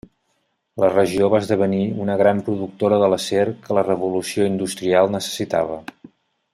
La regió va esdevenir una gran productora de l'acer que la Revolució Industrial necessitava.